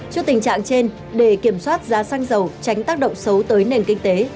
trước tình trạng trên để kiểm soát giá xăng dầu tránh tác động xấu tới nền kinh tế